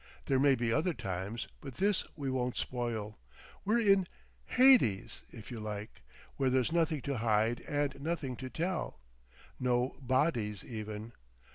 There may be other times, but this we won't spoil. We're—in Hades if you like. Where there's nothing to hide and nothing to tell. No bodies even.